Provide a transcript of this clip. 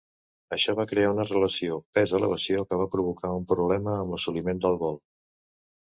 Això va crear una relació pes-elevació que va provocar un problema amb l'assoliment del vol.